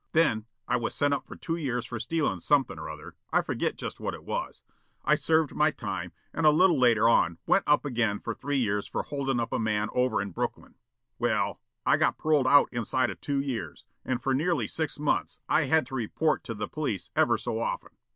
Then I was sent up for two years for stealin' something or other, I forgot just what it was. I served my time and a little later on went up again for three years for holdin' up a man over in Brooklyn. Well, I got paroled out inside of two years, and for nearly six months I had to report to the police ever' so often.